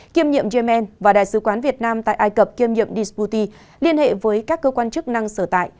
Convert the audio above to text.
kiêm nhiệm yemen và đại sứ quán việt nam tại ai cập kiêm nhiệm dbouti liên hệ với các cơ quan chức năng sở tại